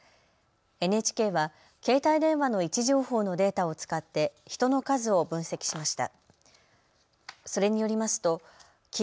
ＮＨＫは携帯電話の位置情報のデータを使って人の数を分析しました。